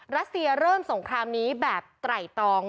การกล้ามสงครามนี้แบบไตรตอง